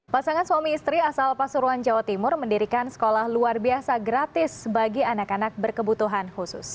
pasangan suami istri asal pasuruan jawa timur mendirikan sekolah luar biasa gratis bagi anak anak berkebutuhan khusus